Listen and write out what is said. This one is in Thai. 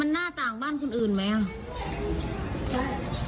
มันน่าต่างบ้านคนอื่นมั้ยอ่ะ